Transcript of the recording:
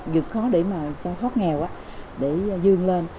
dự khó để mà cho thoát nghèo á để dương lên